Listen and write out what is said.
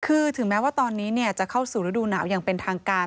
คือถึงแม้ว่าตอนนี้จะเข้าสู่ฤดูหนาวอย่างเป็นทางการ